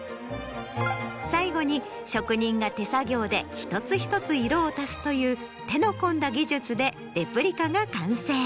最後に職人が手作業で一つ一つ色を足すという手の込んだ技術でレプリカが完成。